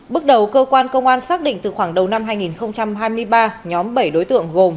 bước đầu cơ quan công an xác định từ khoảng đầu năm hai nghìn hai mươi ba nhóm bảy đối tượng gồm